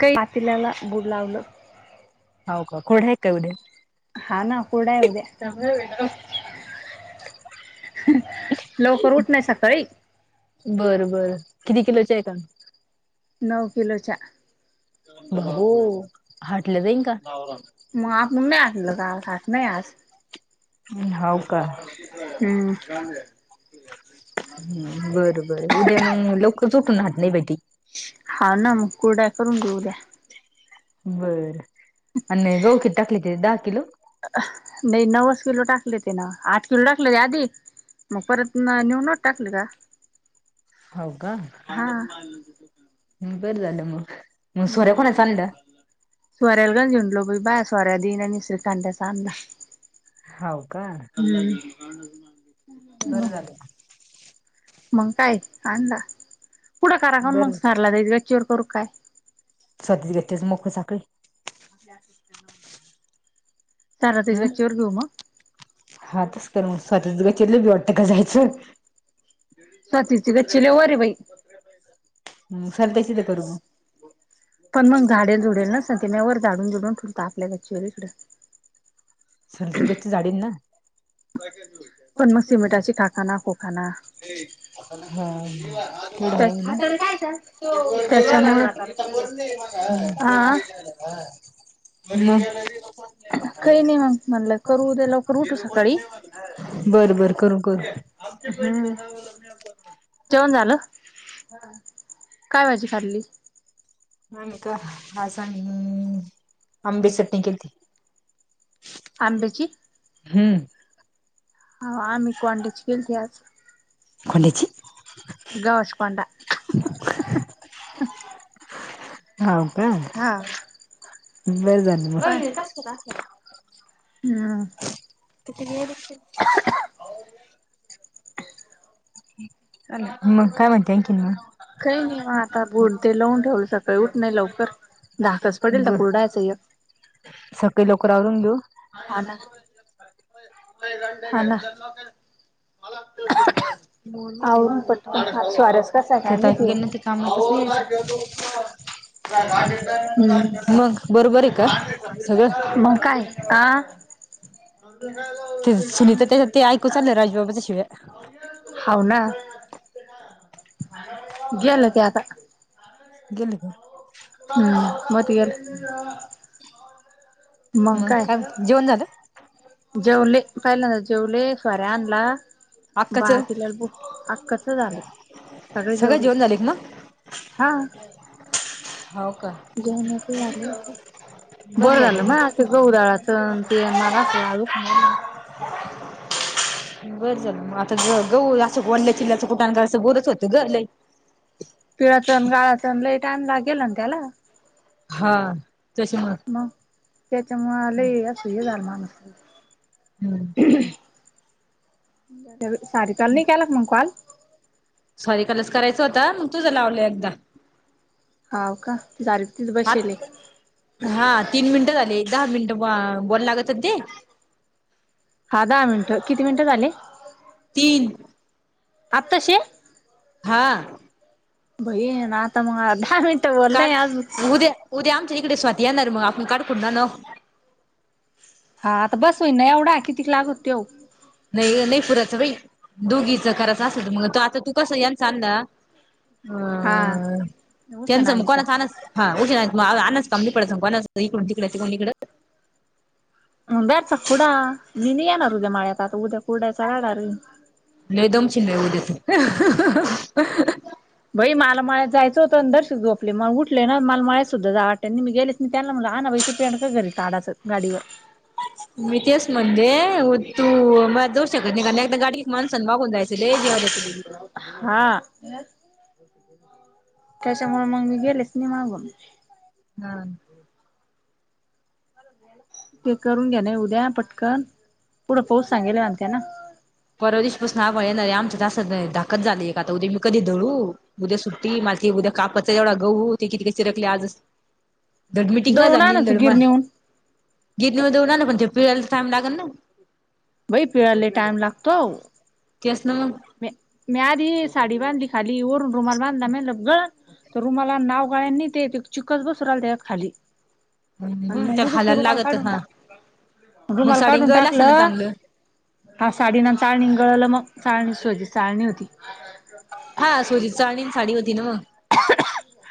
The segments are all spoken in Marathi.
काय पातील्याला बुड लावलं. हो का खोड आहे का उद्या? हा ना कुरडया आहे उद्या. लवकर उठणे सकाळी. बरं बरं किती किलोच्या आहे तम? नऊ किलोच्या. बाबो हाटलं जाईन का? म आपुन नाही हाटलं का घाट नाही आज. हाव का हम्म. हम्म बरं बरं उद्या मंग लवकर झोपून हाट नाही भेटी. हा ना मग कुरडया करून घेऊ उद्या. बरं आणि गहूं किती टाकले ते दहा किलो? मी नवच किलो टाकले ते ना आठ किलो टाकले ते आदी. मग परत न नेऊन टाकलं का? हाव का हा बरं झालं मग. मग सोऱ्या कोणाचा आणला? सोऱ्याला गंज हिंडलो बा सोऱ्या देईना आणि श्रीकांत्याचा आणला. हाव का. हम्म. बरं झाले ते. मंग काय आणला पुढं कारा खाऊन मंग बरं सारला त्याच्या गच्चीवर करू काय? सदली घेतेस मोकळी साकळी. तारा ते हं गच्चीवर घेऊ मग? हा तसं कर मग स्वातीच्या गच्चीवर लय [unintelligible] वाटते काय जायचं. स्वातीची गच्ची लय वर आहे बाई. मग सरत्याची तर करू मग पण मग झाडेल जुडेल नस चन तिनं वर झाडून जुडून ठेवलता आपल्या गच्चीवर इकडं. सुनिची गच्ची झाडीन ना. पण मग सिमेंटाची खकाना खुकांना हा पुढं हायन ना. काय का त्याच्यामुळे हा [unintelligible] काही नाही मंग म्हणलं करू उद्या लवकर उठू सकाळी. बर बरं बर करू करू त्यात हम्म जेवण झालं? काय भाजी खाल्ली? आणि का आज आम्ही आंबी चटणी केलती. आंब्याची हम्म. हो आम्ही [unintelligible] कोंड्याची केलती आज खोल्याची कोणाची गव्हाचा कोंडा. हाव काय. हा. बर झालं मग. हम्म किती वेळ बसशील? [unintelligible] हॅलो! काय नाही, आता भुण ते लावून ठेवलं, सकाळी उठ नाही लवकर धाकच पडेल ना ब कुरडायचंय. सकाळी लवकर आवरून देऊ. मला. [unintelligible] [inaudible] स्वारस कसा आहे काय ते ताई गेले ना माहीत? ते कामातच नाही मग बरोबर आहे का सगळं [inaudible] मग काय, हा [inaudible] ते सुनीता त्याच्या ते ऐकूच आलं राजबाबाच्या शिव्या. हव ना. गेल ते आता. [inaudible] हम्म! [unintelligible] [inaudible] मग काय, जेवण झालं. जेवले. पहिल्यांदा जेवले [unintelligible] अक्काचं [unintelligible] कसं झालं सगळे सगळं जेवली. जेवण झाले का मग हा हो का जेवणाची. [unintelligible] बरं झालं ना ते गहू दळाच ते मला [inaudible] बरं झालं मग आता ग गह असं वडल्या चिल्ल्याचं कुठां असं गोरच होतं ग लई. पिळाचण गाळाचण लई टायम लागेल ना त्याला. हा, तस मग. मग, त्याच्यामुळे लई अस हे झाल माणूस हम्! सॉरी, काल नाही तुम्हांला कॉल. सॉरी, कालच करायचा होता मग तुझं लावलंय एकदा. हाव का. दारातच आत बसले. हा, तीन मिनिटं झाले. दहा मिनिट बोल बोलायला लागत ते. हा, दहा मिनिटं किती मिनिटं झाले. तीन. आताशे. हा! बये ना आता मग! बोललंय काट आज उद्या, उद्या आमच्या इकडे स्वाती येणार मग आपण काठकुड ना. हा आता बस होईना एवढा किती लागला त्यो. नाही, नाही पुरायचं बा दोघीच करायचं असलं त मग आता तू कसं याचं आणलं. हा उषा नानीचा मुखणा छान. [unintelligible] हा उ आज कमली पडत सांगू इकड तिकडडे त इकड. [unintelligible] खुडा मी नाही येणार उद्या माळ्यात आता उद्या कुरुड्याचा राडा लई. लई दामशील ना तु! बाई माला माळ्यात जायचं होत तशीच झोपले मग उठले ना माल माळ्या सुद्धा जा वाट ना मी गेले. मी त्यांला म्हगलं आ ना बहि पे कारी काडाच, गाडीवर. तेच म्हणते मग तु जोश्याकड निघालेय. ता गाडीत माणसं मागून जायच ते निघाले असतील. हा त्याच्यामुळे मग मी गेलेच नि मागून. हा. ते करून घ्या ना उद्या पटकन पुढं पाऊस सांगेला म्हत्या ना. परवादिवशी पासून आभाळ येणारे आमच्यात नाही धाकत झाली का आता उद्या मी कधी धळू. उद्या सुट्टी माझी उद्या कापचा जेवढा गहू ते किती काही चिरकले आजच धड मिटिंग ना दळून झाली नि आणायचं धड म गिरणीहून घेतण्या ऊणार पण ते फीरायला टाइम लागल ना. बाई फिरायला लय टाइम लागतो.. तेच ना मग. म मी आधी साडी बांधली खाली वरून रुमाल बांधला म लागलं. रुमाला नाव गाळ नाही ते चिकस बसू राहिला त्या खाली आणि मग त्याला उगच हालायला रुमाल लागत काढून हा टाक मग रुमाल साडी काढून गळलं असेल ना टाकलं. चांगलं हा साडी ना चाळणी गळलं मग चाळणी सोजी चाळणी होती. हा सुजितच आणि चाळणी आणि साडी व ना मग.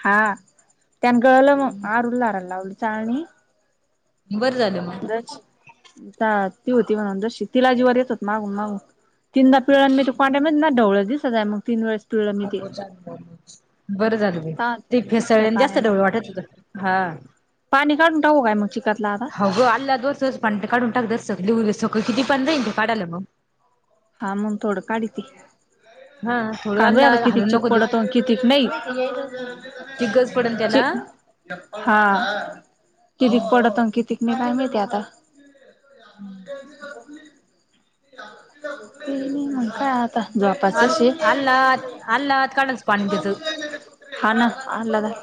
हा त्यांन गळलं मग आर उललार लावली चाळणी. बरं झालं मग. ती होती म्हणून जशी तिला जीवावरर येत होत मागून मागून तीनदा पिळालं पाण्यामध्येचं ढवळ दिसतच मग तीन वेळेस. पिळलं मी ते बरं झालं चालते ते मग तिसऱ्या फेसळल्याने जास्त पाण्यानं ढवळू वाटत होत. पाणी काढून टाकु काय मग चिकातला आता. ग आल्ला दो काढून टाकात सग उ सगं किती पंधरा इ काढाला मग. हा मंग थोडं काढीती. [inaudible] थोडं काय माहिती आता आल्ला किती हलून चीक नको देऊ पडतो कितीक नाही ती गरज पडन ची त्याला हा कितीक पडतो आता कितीक नाही काय माहिती आता. हम्म. ते नाही म्हण काय आता. अ झोपाचच आहे अला अला कडलच पाण तेच. हा ना अला घाल.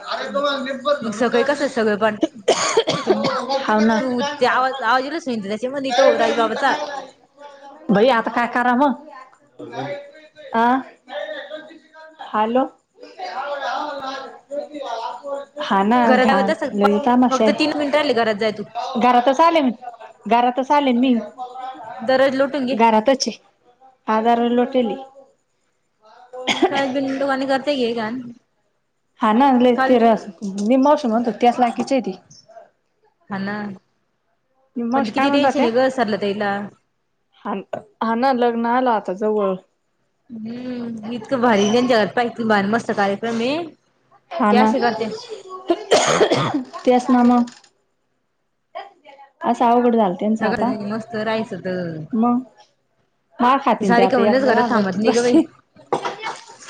मग सगळे कसं सगळं पण ते [unintelligible] हाव ना. तू ते आवाज आवाज येईलच नाही त्याच्यामध्ये तो राजबाबाचा बाई आता काय कराव आ. हॅलो. हा ना घरात ध्यान तस लईच तमाशा फक्त तीन मिनिट राहिले घरात जाय तू हाय घरातच आले मी. घरातच आलेन मी. दरवाजा घरातच हाय हा दार लोटली. का बि दुकानी [unintelligible] करताय घे घाण. हा ना काल तेरस मी तर म्हणतो त्याच लायकीची आहे ती. हा ना मी पण ते मावशी काय किती म्हणत टेन्शन होत्या आहे सरला ताईला. हा हा ना लग्न आलं आता जवळ. हम्म इतकं भारी जण घरात पाय की किती भारी मस्त कार्यक्रम आहे. हा ते ना असे करते त्याच ना म. असं अवघड झालं त्यांचं आता सगळं मस्त राहायचं तर मग हा खाती ते सारिका आता म्हणूनच घरात एकद्या थांबत नाही ग बाई बसते.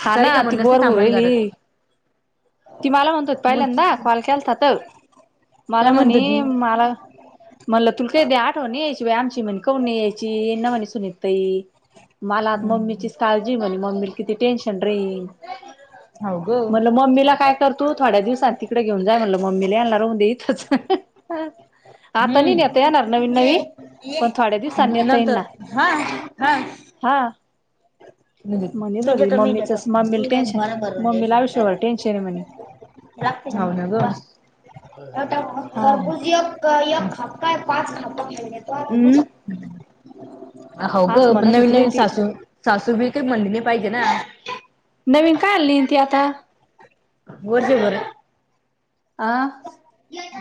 हा ना सारिका ती म्हणूनच बोर नाही होऊ थांबत राहिली. घरात ती मला म्हणत मग पहिल्यांदा कॉल केलता तर काय मला म्हणत म्हणे ती मला. म्हणलं तुला का दे आठवण यायची आमची म्हणे कौन नाही यायची येई न म्हणे सुनीता ताई. मला आता मम्मीचीच काळजी म्हणे मम्मीला किती टेन्शन रे. हाउ ग. मम्मीला काय करतू थोड्या दिवसात तिकडे घेऊन जाय म्हणलं मम्मीला येना राहून दे इथच. आता नाही नेता हम्म येणार नवीन नवीन पण थोड्या दिवसांनी नेता येईन नंतर ना. हा हा हा... म्हणत होती मम्मीच मम्मीला टेन्शन मम्मीला आयुष्यभर टेन्शन आहे म्हणे. रातते खऊ ना ग हा खर बुजएक. एक खापकाय पाच खापका खायला तो हम्म म्ह हो ग असं पण म्हणत नवीन होती बाई नवीन ती सासू काही म्हणली पाहिजे ना. नवीन काय ला येईल आली ती आता. हम... आ...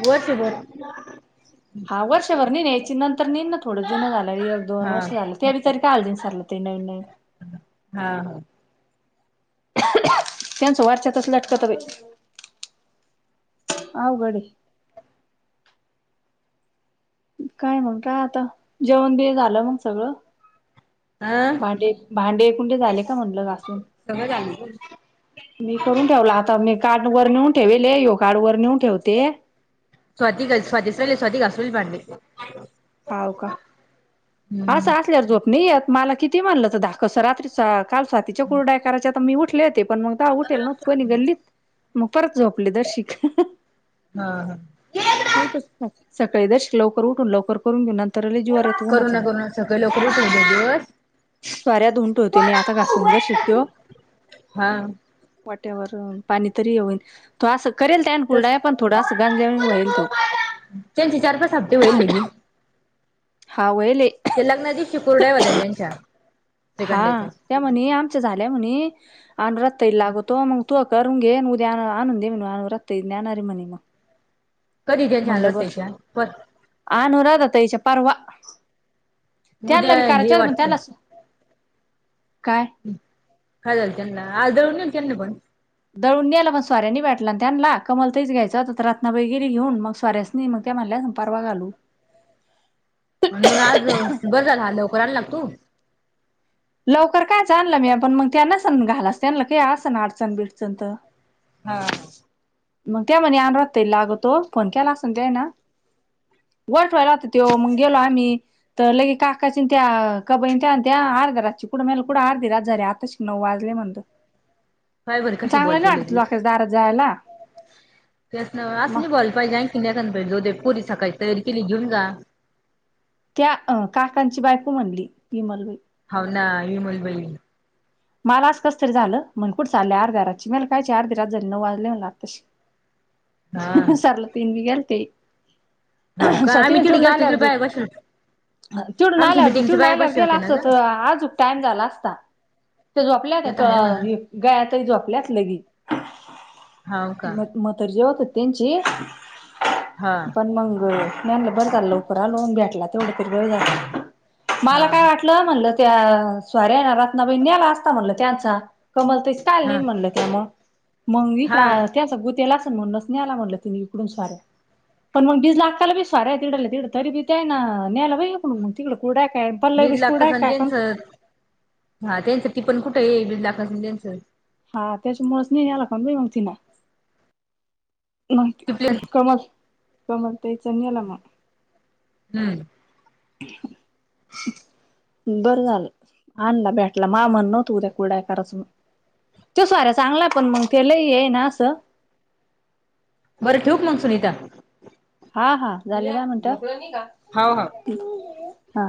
वर्ष बर. हा वर्षभर न याची नंतर नेईल ना थोडं जुन झालं एक दोन हा वर्ष झालं. त्या तरी टाळकं सरलं ते नवीननवीन. हा हा... त्यांचं वटच्या तस लटकत बाई. ह अवघड हे. काय मग काय आता जेवण बिऑन झालं मग सगळं. हा आ भांडे भांडे एकुंडे झाले का म्हणलघासून. सगळं झालं. मी करून ठेवला आता मी कार्ड वर नेऊन ठेवेल यो कार्ड वर नेऊन ठेवते. स्वतिक स्वतशले स्वतिका असूल पांडे [unintelligible] होाव का असं असल्यावर झोपननाही येत मला किती मानलं तर धाकधूस राहतीच. काल स्वा तीच्या कुरडाय करायच्या आता मी उठले होते पण मगतेव्हा उठेल नव्हत कोणी गल्लीत. मग परत झोपले जर्शीक. हा हा उठच सकाळी जर्शीक लवकर उठून लवकर करून घेऊ नंतरले जीवावर येत. करुणा करुना सका [unintelligible] ळी लकरच होले दिवस स्वऱ्या धुऊन ठेवते मी आता घासून जर शिक तो. हा... वाट्यावर पाणी तरी हे होईन तो असं करेल त्या आणि कुरडया तस आहे पण थोडास गांजल्या व्हायल तो. त्यांचे चार, पाच हप्ते होईल ले, हा व्हयल ये. ते लग्नाच्या दिवशी कुरडया होत्या ना त्यांच्या. हा श्रीखंड्याच्या त्या म्हने आमच्या झाल्या म्हने. आण रत्ताई लागतो मग तू करून घे उद्या आण आणून दे म्हण आण रत्ताई नेणारे म्हणे मग. कधीच्या छानलं म्हणलं बर त्याच्या पण. अनुराधा ता ई च्या परवा त्यांना उद्या भी हे करायच्या पण वाटतं त्यांनाच. काय.? काय झालं त्यांना आज जेवण केलं त्यांस. दळून नेलपण सोऱ्या नाही भे टला त्यानला कमल ताईचाघेयाचा त्यांना रातना बाई गेली घेऊन मग सोऱ्या.. नाही मग त्या म्हणल्या परवा घालू. मग आज बरं झालं हॅलो लवकर करायला लागतो. लवकर काय जाणलं मी आपण मग त्यांना स घालास त्यांलं क अस ना अडचण बिडचण तर हा मग त्यो म्हणे आणू राहतोय लागू तो फोन केला अस न तेन [unintelligible] त्यो मग गेलो आम्ही. तर लगे काकाची त्या कबईन त्या त्या अर्ध्या रातची कुठं मेल कुठं अर्धी रात झाली आता शि नऊ वाजले म्हणतो. पाय बर कशी चांगलं नाही बोलत्याली वाटत ती लोकांच्या दारात जायला त्यासन असं मग नाही बोलाय पाहिजे आणि किन पाहिजे पोरी सकाळी तयारी केली घेऊन जा त्या काकांची बायको म्हणली विमलबाई हाव ना विमलबई मला आज कसं तरी झालं म्हण कुठ चाललं अर्ध्या रातची मी म्हटलं कायची अर्धी रात झाली नऊ वाजले म्हटलं आत्ताशी. हा सरला तीन बी गेलते हाव का आम्ही तिकड गेलतो [unintelligible] चिडून आमच्या आल्यावर तू मिटिंगच्या चिडून बाया आल्यावर बसल्या गेला होत्या ना असत ग त आजूक टाइम झाला असता. त्या झोपल्यात येत आहे म्हणा गया तही झोपल्यात लगी हाव का मग तर जेवत त्यांची हा पण मंग म बर झाल लवकर आलो भेटला तेवढ तरी बर झालं मला हा काय वाट ल म्हणलं त्या स्वाऱ्या रत्नाबाई नेला असता म्हणल त्यांचा कमल [unintelligible] हा न्याला हा म्हटलं तुम्ही इकडून साड्या [unintelligible] पार्ले दीड बिस्कुट हाय लाखाचं आणि काय कण त्यांचं हा त्यांच टिपण कुठं आहे दीड लाखाच अन् त्यांचं हा त्याच्यामुळेच नाही याला काण ब मग ति ना टिपल्यान कमल कमल ताईचा नेला म हू [inaudible] [inaudible] बरं झालं आणला भेटला मा मन नव्हतं उद्या कुरड्या कराचं तो साऱ्या चांगला हाय पण मग ते लई हे हाय ना असं बरं ठेवू का मग सुनीता हा हा झाले दहा मिनट हाव हाव हा